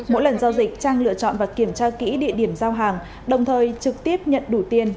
mỗi lần giao dịch trang lựa chọn và kiểm tra kỹ địa điểm giao hàng đồng thời trực tiếp nhận đủ tiền